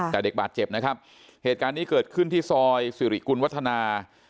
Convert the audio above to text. แต่เด็กบาดเจ็บนะครับเหตุการณ์นี้เกิดขึ้นที่ซอยสิริกุลวัฒนา